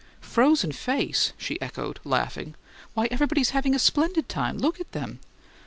"'Frozen face?'" she echoed, laughing. "Why, everybody's having a splendid time. Look at them."